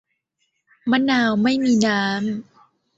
มะนาวไม่มีน้ำ